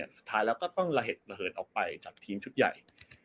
สุดท้ายแล้วก็ต้องระเหตุระเหินออกไปจากทีมชุดใหญ่